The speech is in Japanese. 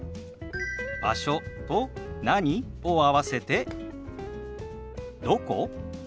「場所」と「何？」を合わせて「どこ？」。